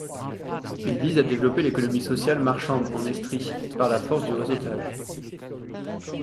Il vise à développer l’économie sociale marchande en Estrie par la force du réseautage.